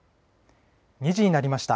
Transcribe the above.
２時になりました。